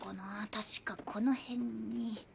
確かこの辺に。